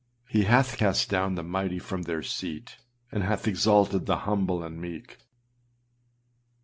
He âhath cast down the mighty from their seat, and hath exalted the humble and meek.